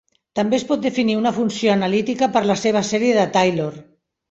També es pot definir una funció analítica per la seva sèrie de Taylor.